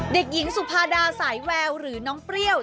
เด็กหญิงสุภาดาสายแววหรือน้องเปรี้ยว